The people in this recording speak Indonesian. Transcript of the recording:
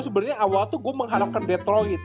sebenernya awal gue mengharapkan detroit